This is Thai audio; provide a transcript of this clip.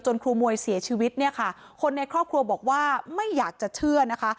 ครูมวยเสียชีวิตเนี่ยค่ะคนในครอบครัวบอกว่าไม่อยากจะเชื่อนะคะ